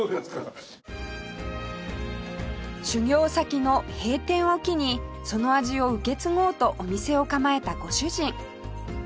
修業先の閉店を機にその味を受け継ごうとお店を構えたご主人